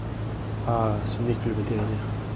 Ah ! ce n’est que le vétérinaire !…